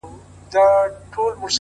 • راځه د ژوند په چل دي پوه کړمه زه؛